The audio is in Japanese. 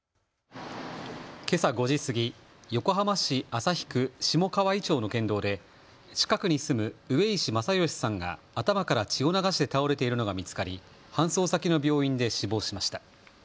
けさ５時過ぎ、横浜市旭区下川井町の県道で近くに住む上石正義さんが頭から血を流して倒れているのが見つかり搬送先の病院で死亡しました。